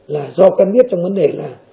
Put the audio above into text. là do quen biết trong vấn đề là